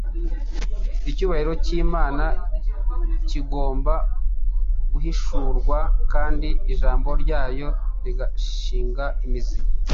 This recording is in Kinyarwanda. Icyubahiro cy’Imana kigomba guhishurwa kandi ijambo ryayo rigashinga imizi.